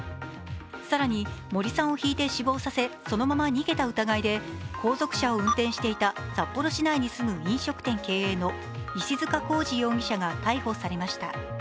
更に、森さんをひいて死亡させ、そのまま逃げた疑いで、後続車を運転札幌市に住む飲食店経営の石塚孝司容疑者が逮捕されました。